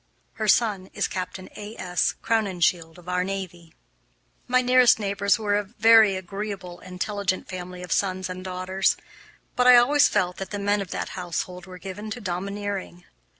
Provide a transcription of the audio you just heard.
Her son is Captain A.S. Crowninshield of our Navy. My nearest neighbors were a very agreeable, intelligent family of sons and daughters. But I always felt that the men of that household were given to domineering.